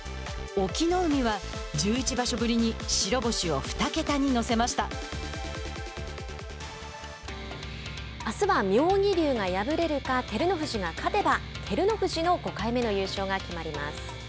隠岐の海は１１場所ぶりにあすは妙義龍が敗れるか照ノ富士が勝てば照ノ富士の５回目の優勝が決まります。